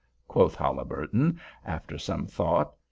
_" quoth Haliburton, after some thought.